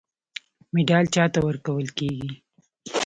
مډال چا ته ورکول کیږي؟